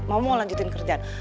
mama mau lanjutin kerjaan